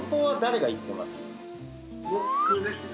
僕ですね。